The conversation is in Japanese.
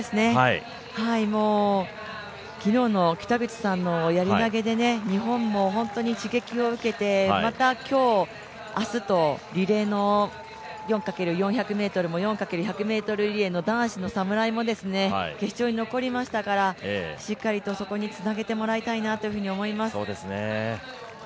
もう、昨日の北口さんのやり投で日本も刺激を受けて、また今日、明日とリレーの４×４００ｍリレーも４×１００ｍリレーの男子の侍も決勝に残りましたから、しっかりとそこにつなげてもらいたいなと思います。